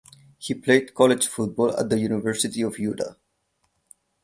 He played college football at the University of Utah.